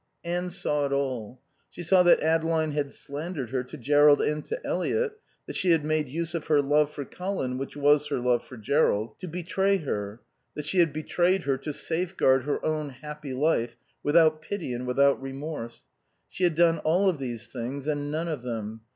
Anne saw it all, she saw that Adeline had slandered her to Jerrold and to Eliot, that she had made use of her love for Colin, which was her love for Jerrold, to betray her; that she had betrayed her to safeguard her own happy life, without pity and without remorse; she had done all of these things and none of them.